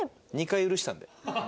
２回許したんで。